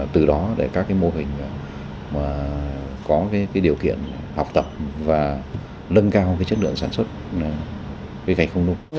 từ đó để các mô hình có điều kiện học tập và nâng cao chất lượng sản xuất cây gạch không nung